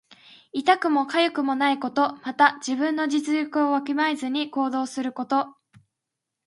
痛くもかゆくもないこと。また、自分の実力をわきまえずに行動すること。